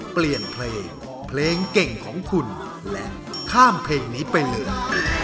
เปลี่ยนเพลงเพลงเก่งของคุณและข้ามเพลงนี้ไปเลย